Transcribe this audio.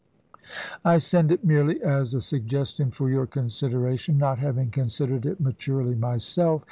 I send it merely as a suggestion for your consid eration, not having considered it maturely myself.